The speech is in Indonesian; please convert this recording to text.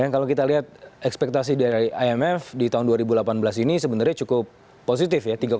kalau kita lihat ekspektasi dari imf di tahun dua ribu delapan belas ini sebenarnya cukup positif ya